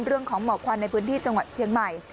เรื่องของเหมาะควันในพื้นที่จังหวัดเชียงใหม่